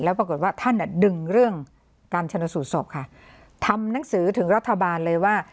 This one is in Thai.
ปรากฏว่าท่านอ่ะดึงเรื่องการชนสูตรศพค่ะทำหนังสือถึงรัฐบาลเลยว่า